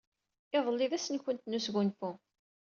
Iḍelli d ass-nwent n wesgunfu.